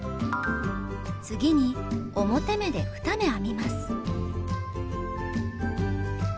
次に表目で２目編みます。